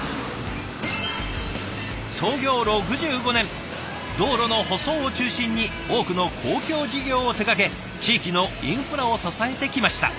創業６５年道路の舗装を中心に多くの公共事業を手がけ地域のインフラを支えてきました。